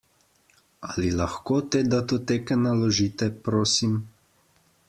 Ali lahko te datoteke naložite, prosim?